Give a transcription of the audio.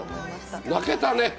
泣けたね。